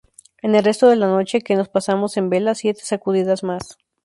En el resto de la noche, que nos pasamos en vela, siete sacudidas más.